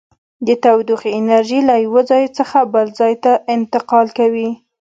د تودوخې انرژي له یو ځای څخه بل ځای ته انتقال کوي.